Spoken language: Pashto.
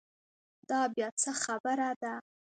دا بیا څه خبره ده.